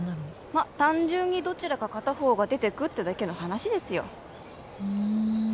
ま単純にどちらか片方が出てくってだけの話ですよふん・